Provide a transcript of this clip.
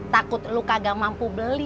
takut lu kagak mampu beli